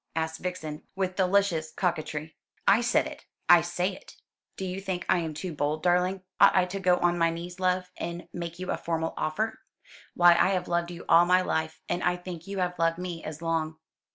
asked Vixen, with delicious coquetry. "I said it I say it. Do you think I am too bold, darling? Ought I to go on my knees, love, and make you a formal offer? Why I have loved you all my life; and I think you have loved me as long."